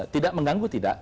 tidak mengganggu tidak